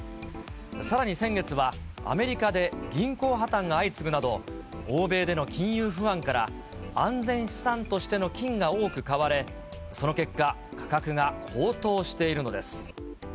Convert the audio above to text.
さらに先月は、アメリカで銀行破綻が相次ぐなど、欧米での金融不安から、安全資産としての金が多く買われ、その結果、価格が高騰しているのです。